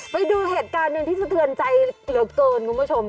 ไปดูเหตุการณ์หนึ่งที่สะเทือนใจเหลือเกินคุณผู้ชม